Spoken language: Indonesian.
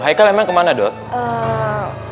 haikal emang kemana doang